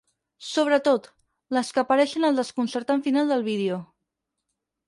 Sobretot, les que apareixen al desconcertant final del vídeo.